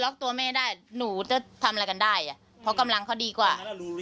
ตัวแม่ได้หนูจะทำอะไรกันได้อ่ะเพราะกำลังเขาดีกว่า